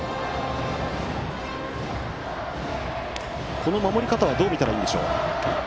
この守り方はどう見たらいいでしょうか？